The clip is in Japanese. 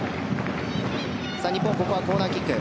日本、ここはコーナーキック。